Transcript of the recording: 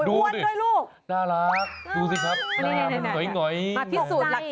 อวยอ้วนอยู่ด้วยลูกดูซินะน่ารักดูนะน้อย